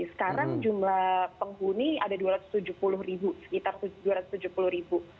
sekarang jumlah penghuni ada dua ratus tujuh puluh ribu sekitar dua ratus tujuh puluh ribu